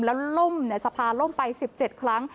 แล้วล่มสภาล่มไป๑๗ครั้ง